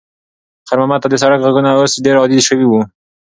خیر محمد ته د سړک غږونه اوس ډېر عادي شوي وو.